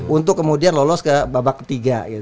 untuk kemudian lolos ke babak ketiga